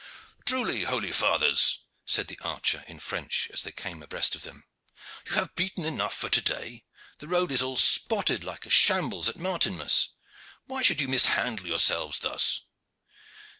"Truly, holy fathers," said the archer in French as they came abreast of them, "you have beaten enough for to day. The road is all spotted like a shambles at Martinmas. Why should ye mishandle yourselves thus?"